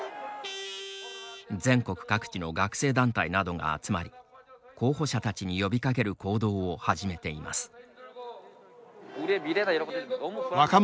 全国各地の学生団体などが集まり候補者たちに呼びかける行動を始めています。